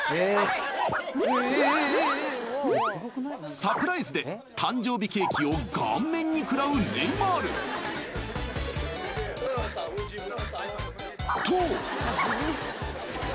サプライズで誕生日ケーキを顔面にくらうネイマール。と。